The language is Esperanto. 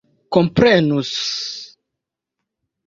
komprenus